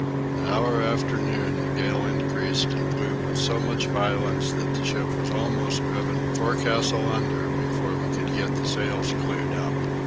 An hour after noon the gale increased and blew with so much violence that the ship was almost driven forecastle under before we could get the sails clewed up.